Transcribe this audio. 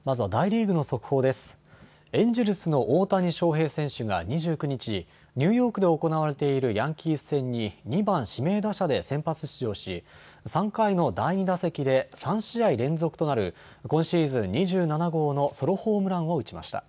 エンジェルスの大谷翔平選手が２９日、ニューヨークで行われているヤンキース戦に２番・指名打者で先発出場し３回の第２打席で３試合連続となる今シーズン２７号のソロホームランを打ちました。